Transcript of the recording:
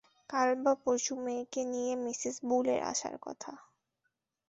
কাল বা পরশু মেয়েকে নিয়ে মিসেস বুলের আসার কথা।